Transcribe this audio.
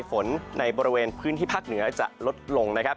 ฝนในบริเวณพื้นที่ภาคเหนือจะลดลงนะครับ